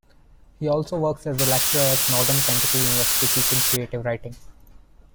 He also works as a lecturer at Northern Kentucky University, teaching creative writing.